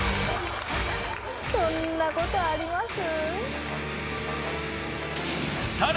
そんなことあります？